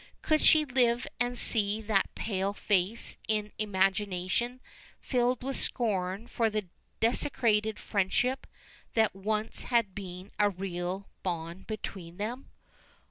Could she live and see that pale face in imagination filled with scorn for the desecrated friendship that once had been a real bond between them?